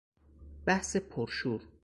بحث پر شور